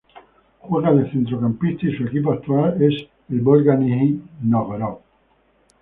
Juega de centrocampista y su equipo actual es el Volga Nizhni Nóvgorod.